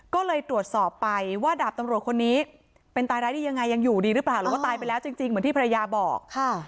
ก็เลยตรวจสอบไปว่าดาบตำรวจคนนี้เป็นตายร้ายได้ยังไงยังอยู่ดีหรือเปล่าหรือว่าตายไปแล้วจริงเหมือนที่ภรรยาบอก